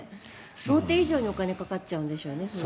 想定以上にお金がかかっちゃうんでしょうね。